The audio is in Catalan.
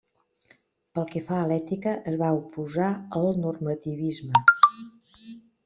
Pel que fa a l'ètica, es va oposar al normativisme.